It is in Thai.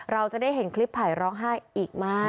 เราจะได้เห็นคลิปไผ่ร้องไห้อีกไหม